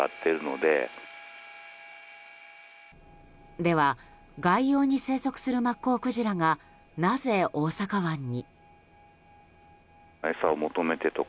では外洋に生息するマッコウクジラがなぜ大阪湾に。